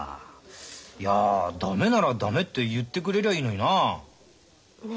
いや駄目なら駄目って言ってくれりゃいいのにな。ね。